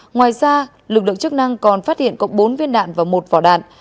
ngoài ra lực lượng chức năng còn phát hiện cộng bốn viên đạn và một vỏ đạn